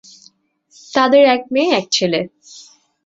তাঁদের এক মেয়ে, এক ছেলে।